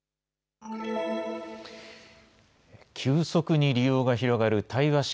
急速に利用が広がる対話式